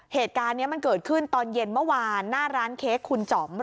เหตุการณ์นี้มันเกิดขึ้นตอนเย็นเมื่อวานหน้าร้านเค้กคุณจ๋อม